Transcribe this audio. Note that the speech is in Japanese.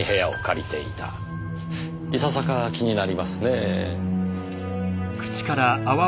いささか気になりますねえ。